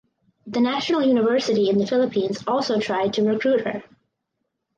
The National University in the Philippines also tried to recruit her.